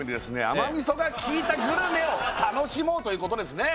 甘味噌がきいたグルメを楽しもうということですね